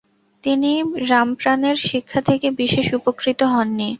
তিনি রামপ্রাণের শিক্ষা থেকে বিশেষ উপকৃত হন নি।